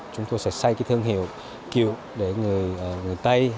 chúng tôi sẽ xây cái thương hiệu kiểu để người tây